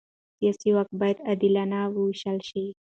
سیاسي واک باید عادلانه ووېشل شي